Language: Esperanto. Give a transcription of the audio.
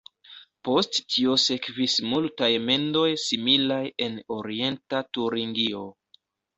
Post tio sekvis multaj mendoj similaj en Orienta Turingio.